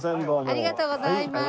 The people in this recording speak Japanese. ありがとうございます。